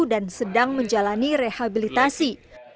dan sedang menjalani rehabilitasi